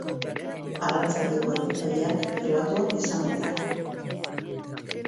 Arratsaldeko ekitaldiak pribatuak izango dira.